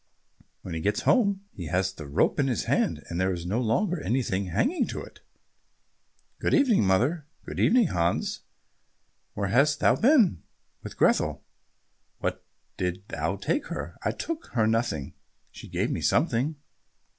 When he gets home, he has the rope in his hand, and there is no longer anything hanging to it. "Good evening, mother." "Good evening, Hans." "Where hast thou been?" "With Grethel." "What didst thou take her?" "I took her nothing, she gave me something."